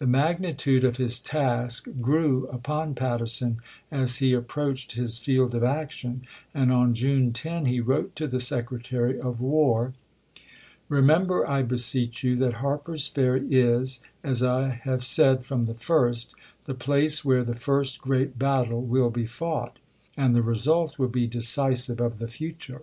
The magnitude of his task grew upon Patterson as he approached his field of action, and on June 10 he wrote to the Secretary of War : Remember, I beseech you, that Harper's Ferry is (as I have said from the first) the place where the first great battle will be fought, and the result will be decisive of the future.